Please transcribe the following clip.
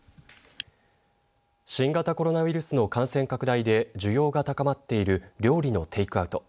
新型コロナウイルスの感染拡大で需要が高まっている料理のテイクアウト。